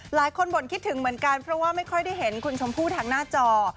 บ่นคิดถึงเหมือนกันเพราะว่าไม่ค่อยได้เห็นคุณชมพู่ทางหน้าจอ